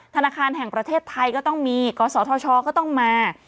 ธนาคารแห่งประเทศไทยก็ต้องมีกศธชก็ต้องมา